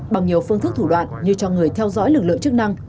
bằng nhiều phương thức thủ đoạn như cho người theo dõi lực lượng chức năng